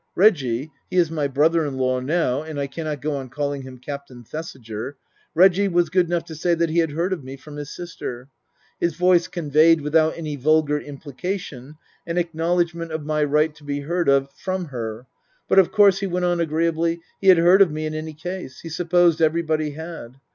Reggie he is my brother in law now, and I cannot go on calling him Captain Thesiger Reggie was good enough to say that he had heard of me from his sister. His voice conveyed, without any vulgar implication, an acknow ledgment of my right to be heard of from her but, of course, he went on agreeably, he had heard of me in any case ; he supposed everybody had.